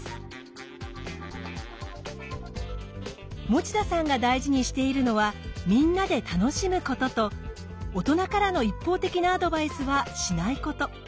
持田さんが大事にしているのはみんなで楽しむことと大人からの一方的なアドバイスはしないこと。